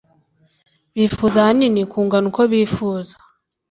bifuza ahanini kungana uko bifuza